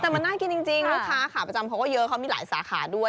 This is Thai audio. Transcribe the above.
แต่มันน่ากินจริงลูกค้าขาประจำเขาก็เยอะเขามีหลายสาขาด้วย